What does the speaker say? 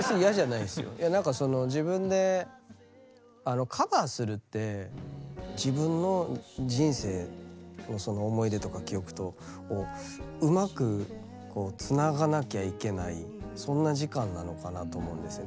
いや何かその自分であのカバーするって自分の人生をその思い出とか記憶とをうまくこうつながなきゃいけないそんな時間なのかなと思うんですよね。